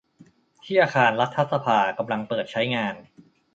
ที่อาคารรัฐสภากำลังเปิดใช้งาน